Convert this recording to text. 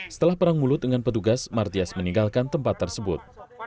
setelah perang mulut dengan petugas martias meninggalkan tempat tersebut